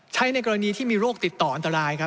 ใช้ในกรณีที่มีโรคติดต่ออันตราย